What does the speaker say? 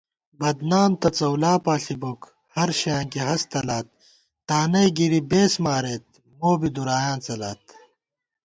بدنام تہ څؤلا پاݪی بوک ہرشَیانکی ہست تلات تانَئ گِری بېس ماریت مو بی دُرایاں څَلات